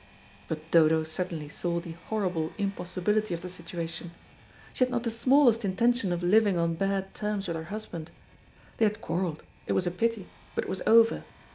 But Dodo suddenly saw the horrible impossibility of the situation. She had not the smallest intention of living on bad terms with her husband. They had quarrelled, it was a pity, but it was over.